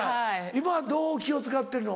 今はどう気を使ってるの？